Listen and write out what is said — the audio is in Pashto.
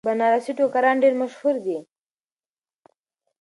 بنارسي ټوکران ډیر مشهور دي.